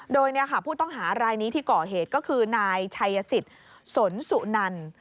โดยผู้ต้องหารายนี้ที่ก่อเหตุก็คือนายชัยสิทธิ์สนสุนัน